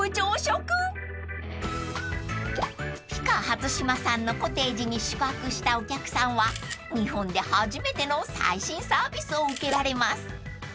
［ＰＩＣＡ初島さんのコテージに宿泊したお客さんは日本で初めての最新サービスを受けられます］